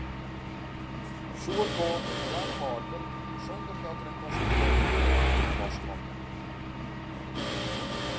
Soerkoal is lang hâldber sonder dat der in konservearringsmiddel oan te pas komt.